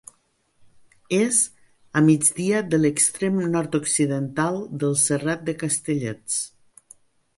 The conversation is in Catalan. És a migdia de l'extrem nord-occidental del Serrat de Castellets.